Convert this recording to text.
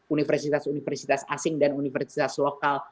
universitas universitas asing dan universitas lokal